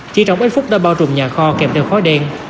chỉ trong ít phút đã bao trùm nhà kho kèm theo khói đen